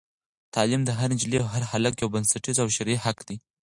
تعلیم د هرې نجلۍ او هر هلک یو بنسټیز او شرعي حق دی.